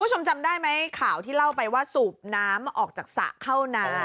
คุณผู้ชมจำได้ไหมข่าวที่เล่าไปว่าสูบน้ำออกจากสระเข้านา